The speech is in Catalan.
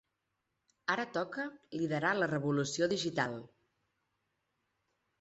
Ara toca liderar la revolució digital.